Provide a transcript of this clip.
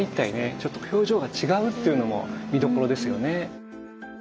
ちょっと表情が違うというのも見どころですよね。